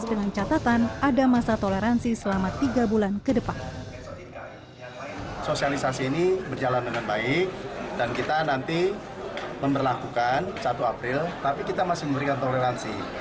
dengan catatan ada masa toleransi selama tiga bulan ke depan